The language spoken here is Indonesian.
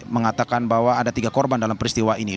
mengatakan bahwa ada tiga korban dalam peristiwa ini